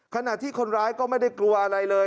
คนร้ายก็ไม่ได้กลัวอะไรเลย